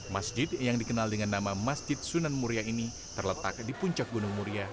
masjid yang dikenal dengan nama masjid sunan muria ini terletak di puncak gunung muria